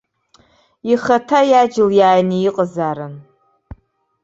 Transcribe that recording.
Ихаҭа иаџьал ааины иҟазаарын.